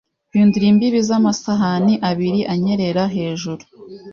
Hindura imbibi zamasahani abiri anyerera hejuru